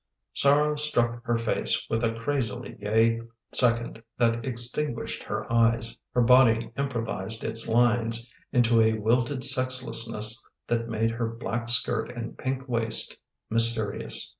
Sorrow struck her face with a crazily gay second that extinguished her eyes. Her body im provised its lines into a wilted sexlessness that made her black skirt and pink waist mysterious.